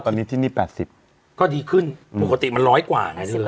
ตอนนี้ที่นี่๘๐ก็ดีขึ้นปกติมันร้อยกว่า